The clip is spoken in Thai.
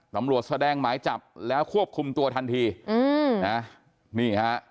ตำรวจแสดงหมายจับแล้วควบคุมตัวทันทีอืมนะนี่ฮะ